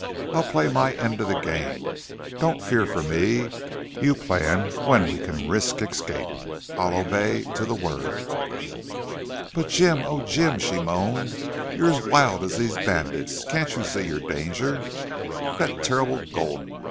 I'll play my end of the game. Don't fear for me. You plan when we can risk escape. I'll obey you to the word." "But Jim oh, Jim!" she moaned. "You're as wild as these bandits. You can't see your danger.... That terrible Gulden!...